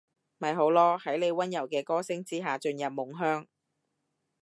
咪好囉，喺你溫柔嘅歌聲之下進入夢鄉